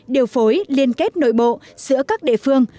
điều phối liên kết nội bộ giữa các địa phương